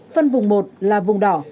phân vùng một là vùng đỏ